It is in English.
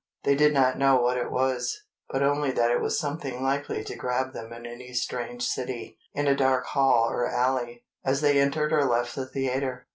They did not know what it was, but only that it was something likely to grab them in any strange city, in a dark hall or alley, as they entered or left the theatre.